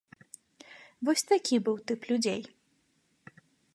Вось такі быў тып людзей.